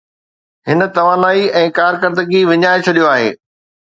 هن توانائي ۽ ڪارڪردگي وڃائي ڇڏيو آهي.